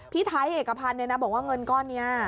พี่ไทฟต์เอกภัณฑ์เนี่ยนะบอกว่าเงินเก้าเนี่ย